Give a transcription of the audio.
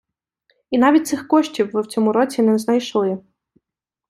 І навіть цих коштів ви в цьому році не знайшли.